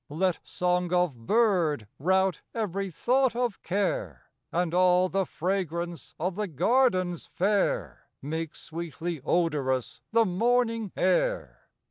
Let song of bird rout every thought ol care, And all the fragrance of the gardens fair Make sweetly odorous the morning air.